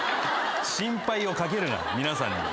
心配をかけるな皆さんに。